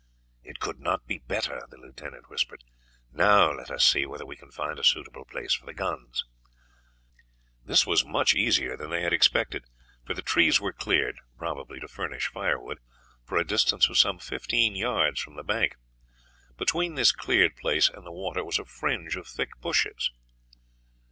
"It could not be better," the lieutenant whispered. "Now let us see whether we can find a suitable place for the guns." This was much easier than they had expected, for the trees were cleared, probably to furnish firewood, for a distance of some fifteen yards from the bank; between this cleared place and the water was a fringe of thick bushes.